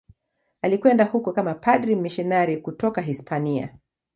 Alikwenda huko kama padri mmisionari kutoka Hispania.